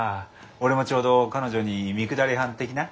俺もちょうど彼女に三くだり半的な？